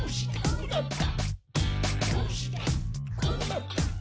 こうなった？